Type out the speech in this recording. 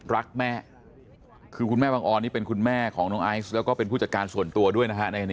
รักแม่คือคุณแม่บังออนนี่เป็นคุณแม่ของน้องไอซ์แล้วก็เป็นผู้จัดการส่วนตัวด้วยนะฮะ